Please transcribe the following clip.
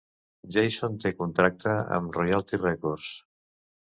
Jason té contracte amb Royalty Records.